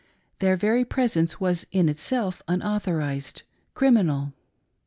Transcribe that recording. Their very presence was in itself unauthorised — criminal.